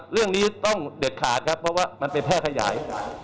เรื่องนี้ต้องเด็ดขาดครับเพราะว่ามันไปแพร่ขยาย